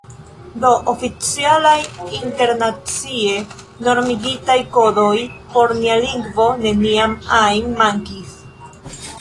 Do oficialaj internacie normigitaj kodoj por nia lingvo neniam ajn mankis.